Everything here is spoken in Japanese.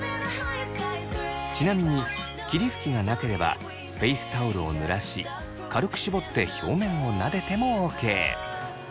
ちなみに霧吹きがなければフェイスタオルをぬらし軽く絞って表面をなでてもＯＫ。